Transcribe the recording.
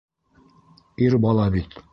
Ир бала бит.